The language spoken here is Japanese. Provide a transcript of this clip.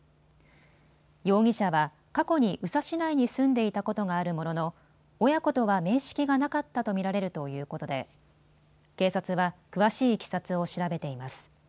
容疑者は過去に宇佐市内に住んでいたことがあるものの親子とは面識がなかったと見られるということで警察は詳しいいきさつを調べています。